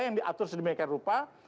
yang diatur sedemikian rupa